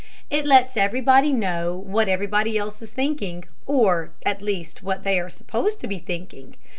It lets everybody know what everybody else is thinking, or at least what they are supposed to be thinking.